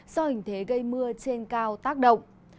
do hình thế gây mưa trên cao tác động